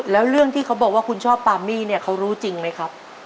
แล้วเรื่องที่เขาบอกว่าคุณชอบปามี่เนี่ยเขารู้จริงไหมครับ